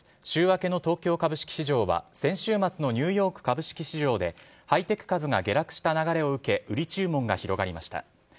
週明けの東京株式市場は、先週末のニューヨーク株式市場でハイテク株が下落した流れを受け、売り注文が広がりました。